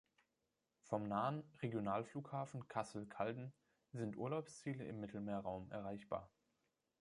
Vom nahen Regionalflughafen Kassel-Calden sind Urlaubsziele im Mittelmeerraum erreichbar.